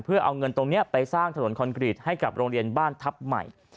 เพื่อเอาเงินตรงนี้ไปสร้างถนนคอนกรีตให้กับโรงเรียนบ้านทัพใหม่